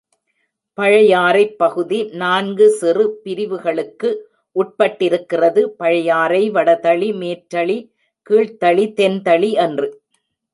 பழையாறைப் பகுதி நான்கு சிறு பிரிவுகளுக்கு உட்பட்டிருக்கிறது பழையாறை வடதளி, மேற்றளி, கீழ்த்தளி, தென் தளி என்று.